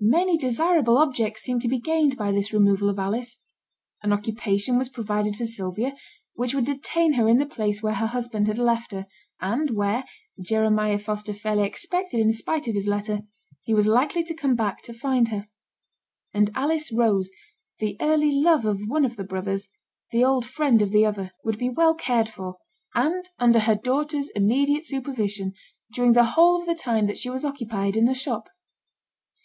Many desirable objects seemed to be gained by this removal of Alice: an occupation was provided for Sylvia, which would detain her in the place where her husband had left her, and where (Jeremiah Foster fairly expected in spite of his letter) he was likely to come back to find her; and Alice Rose, the early love of one of the brothers, the old friend of the other, would be well cared for, and under her daughter's immediate supervision during the whole of the time that she was occupied in the shop.